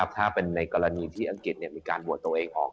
ถ้าเป็นในกรณีที่อังกฤษมีการโหวตตัวเองออก